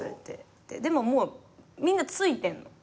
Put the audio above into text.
でももうみんな着いてんの。